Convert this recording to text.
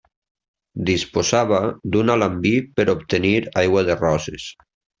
Disposava d'un alambí per obtenir aigua de roses.